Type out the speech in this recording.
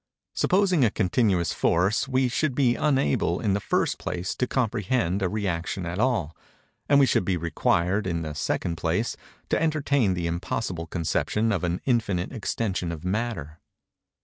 Supposing a continuous force, we should be unable, in the first place, to comprehend a rëaction at all; and we should be required, in the second place, to entertain the impossible conception of an infinite extension of Matter.